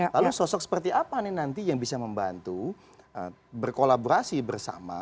lalu sosok seperti apa nih nanti yang bisa membantu berkolaborasi bersama